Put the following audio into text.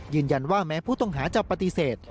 ยืนยันว่าแม้ผู้ต้องหาจะปฏิเสธ